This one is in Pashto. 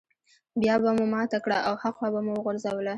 بيا به مو ماته کړه او هاخوا به مو وغورځوله.